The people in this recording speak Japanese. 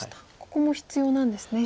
ここも必要なんですね。